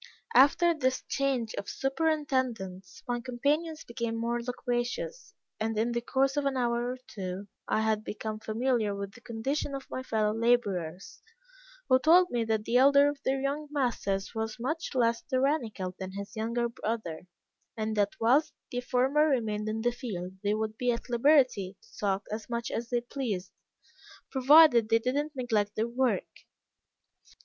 After this change of superintendents, my companions became more loquacious, and in the course of an hour or two, I had become familiar with the condition of my fellow laborers, who told me that the elder of their young masters was much less tyrannical than his younger brother; and that whilst the former remained in the field they would be at liberty to talk as much as they pleased, provided they did not neglect their work.